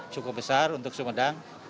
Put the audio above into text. cukup besar untuk sumedang